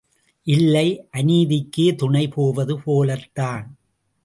இல்லை, அநீதிக்கே துணை போவது போலத்தான்!